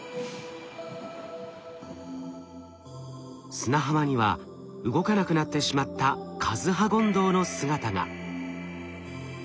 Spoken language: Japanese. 砂浜には動かなくなってしまったカズハゴンドウの姿が。